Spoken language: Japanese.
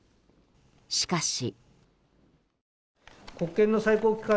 しかし。